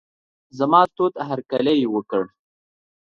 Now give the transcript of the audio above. زما تود هرکلی یې وکړ.